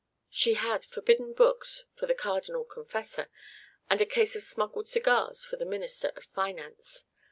She had forbidden books for the cardinal confessor, and a case of smuggled cigars for the minister of finance.